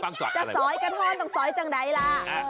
อะฟังสอยจะสอยกระท้อนต้องสอยจังไหนหละเออ